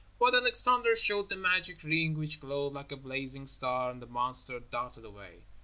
But Alexander showed the magic ring which glowed like a blazing star and the monster darted away.